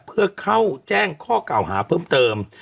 เพื่อเข้าแจ้งข้อกล่าวหาเพิ่มเติม